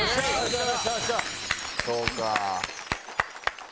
そうか。